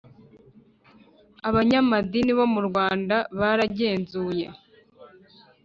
Abanyamadini bo murwnada baragenzuye